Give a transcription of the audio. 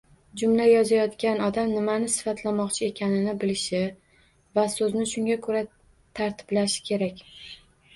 Jumla yozayotgan odam nimani sifatlamoqchi ekanini bilishi va soʻzni shunga koʻra tartiblashi kerak